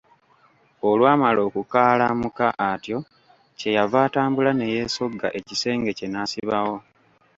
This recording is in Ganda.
Olwamala okukaalamuka atyo, kye yava atambula ne yesogga ekisenge kye n'asibawo.